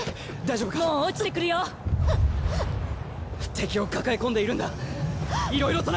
敵を抱え込んでいるんだいろいろとな。